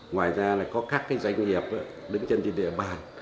ngoài ra có các doanh nghiệp đứng chân trên địa bàn